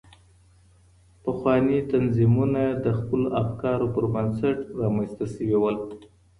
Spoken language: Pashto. پخواني تنظيمونه د خپلو افکارو پر بنسټ رامنځته سوي وو.